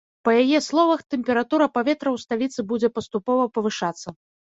Па яе словах, тэмпература паветра ў сталіцы будзе паступова павышацца.